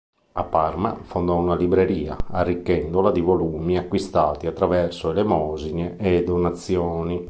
A Parma fondò una libreria, arricchendola di volumi acquistati attraverso elemosine e donazioni.